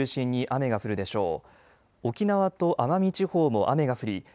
北海道から北陸を中心に雨が降るでしょう。